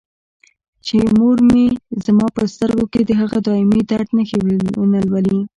چې مور مې زما په سترګو کې د هغه دایمي درد نښې ونه لولي.